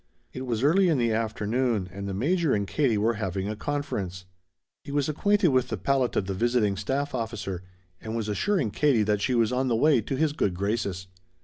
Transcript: It was early in the afternoon and the Major and Katie were having a conference. He was acquainted with the palate of the visiting staff officer, and was assuring Katie that she was on the way to his good graces.